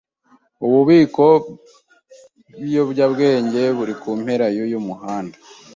Ububiko bwibiyobyabwenge buri kumpera yuyu muhanda.